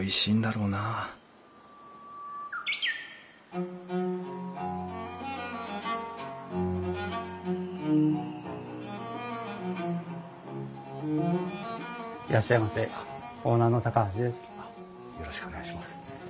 よろしくお願いします。